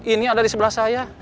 ini ada di sebelah saya